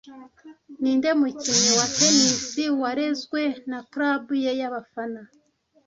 Ninde mukinnyi wa tennis warezwe na club ye y'abafana